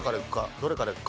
どれからいくか。